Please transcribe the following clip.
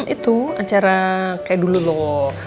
itu acara kayak dulu loh